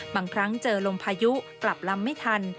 บางครั้งเจอลมพายุกลับลำไม่ทัน